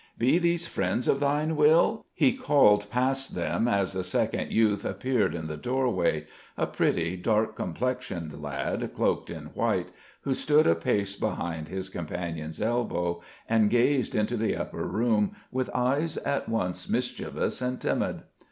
"Be these friends of thine, Will?" he called past them as a second youth appeared in the doorway, a pretty, dark complexioned lad, cloaked in white, who stood a pace behind his companion's elbow and gazed into the supper room with eyes at once mischievous and timid.